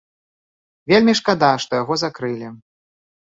Вельмі шкада, што яго закрылі.